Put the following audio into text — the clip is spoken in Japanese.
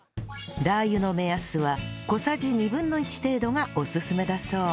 ラー油の目安は小さじ２分の１程度がオススメだそう